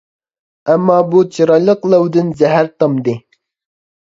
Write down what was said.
ئەمما بۇ چىرايلىق لەۋدىن زەھەر تامدى.